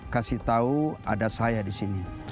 kasih tahu ada saya di sini